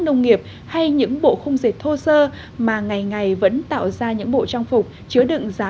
nông nghiệp hay những bộ khung dệt thô sơ mà ngày ngày vẫn tạo ra những bộ trang phục chứa đựng giá